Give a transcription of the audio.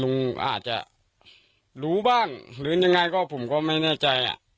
ลุงอาจจะรู้บ้างหรือยังไงก็ผมก็ไม่แน่ใจ